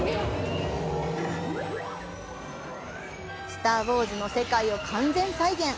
「スター・ウォーズ」の世界を完全再現！